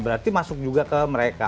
berarti masuk juga ke mereka